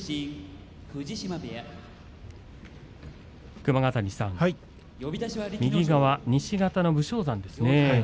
熊ヶ谷さん西方の武将山ですね